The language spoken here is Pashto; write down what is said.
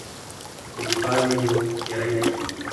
که دفاع وي نو تیری نه کیږي.